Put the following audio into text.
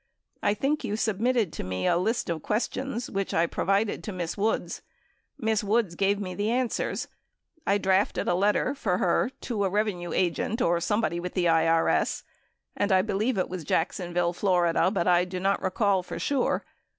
I think you submitted to me a list of questions which I provided to Miss Woods. Miss Woods gave me the answers. I drafted a letter for her to a Revenue agent or somebody with the IRS and I believe it was Jacksonville, Fla., but I do not recall for sure.